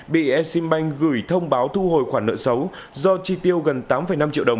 bị exim bank gửi thông báo thu hồi khoản nợ xấu do chi tiêu gần tám năm triệu đồng